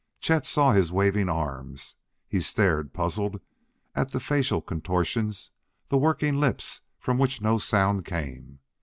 Chet saw his waving arms; he stared, puzzled, at the facial contortions the working lips from which no sound came.